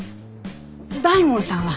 大門さんは？